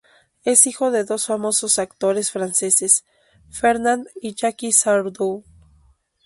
Es hijo de dos famosos actores franceses: Fernand y Jackie Sardou.